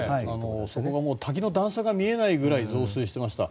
そこが滝の段差が見えないくらい増水していました。